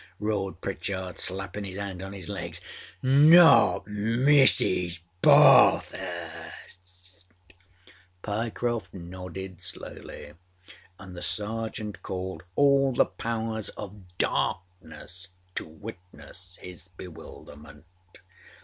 â roared Pritchard, slapping his hand on his leg. âNot Mrs. Bathurst!â Pyecroft nodded slowly, and the Sergeant called all the powers of darkness to witness his bewilderment.